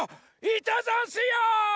いたざんすよ！